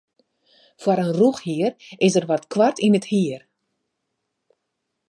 Foar in rûchhier is er wat koart yn it hier.